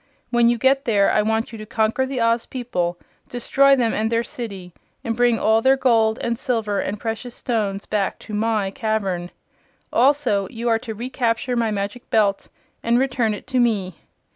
When you get there I want you to conquer the Oz people, destroy them and their city, and bring all their gold and silver and precious stones back to my cavern. Also you are to recapture my Magic Belt and return it to me.